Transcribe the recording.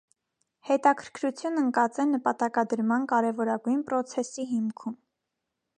Հետաքրքրություն ընկած է նպատակադրման կարևորագույն պրոցեսի հիմքում։